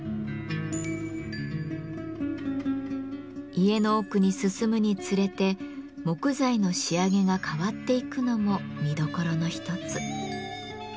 家の奥に進むにつれて木材の仕上げが変わっていくのも見どころの一つ。